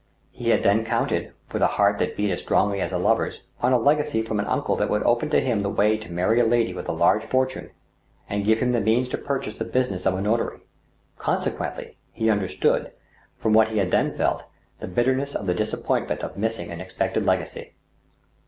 He had then counted, with a heart that beat as strongly as a lover's, on a legacy from an uncle that would open to him the way to marry a lady with a large fortune, and give him the means to purchase the business of a no tary. Consequently, he understood, from what he had then felt, the bitterness of the disappointment of missing an expected legacy.